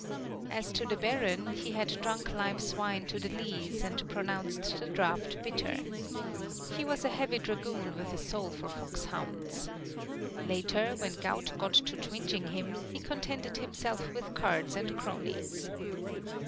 As to the Baron, he had drunk life's wine to the lees and pronounced the draft bitter. He was a heavy dragoon with a soul for foxhounds. Later, when gout got to twinging him, he contented himself with cards and cronies.